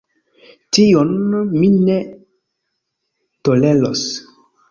Tion mi ne toleros!